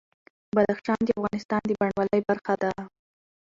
بدخشان د افغانستان د بڼوالۍ برخه ده.